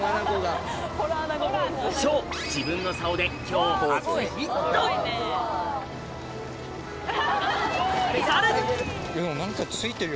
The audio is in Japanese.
しょう自分の竿で今日初ヒットさらに！